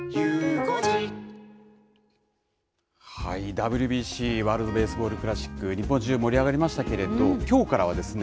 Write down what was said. ＷＢＣワールド・ベースボール・クラシック日本中盛り上がりましたけれどきょうからはですね